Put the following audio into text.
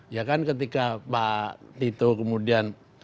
ya kan ketika pak tito kemudian